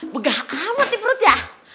begah kamu di perut ya